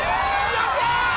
やった！